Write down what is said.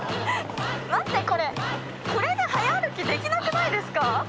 待ってこれこれで速歩きできなくないですか？